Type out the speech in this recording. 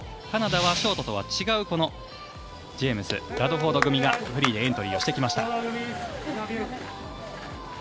カナダはショートとは違うジェームス・ラドフォード組がフリーでエントリーしてきました。